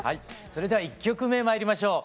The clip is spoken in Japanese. それでは１曲目まいりましょう。